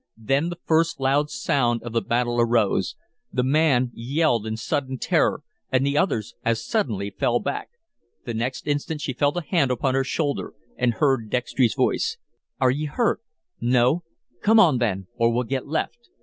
Then the first loud sound of the battle arose. The man yelled in sudden terror; and the others as suddenly fell back. The next instant she felt a hand upon her shoulder and heard Dextry's voice. "Are ye hurt? No? Come on, then, or we'll get left."